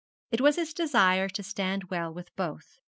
It was his desire to stand well with both.